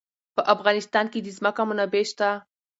په افغانستان کې د ځمکه منابع شته.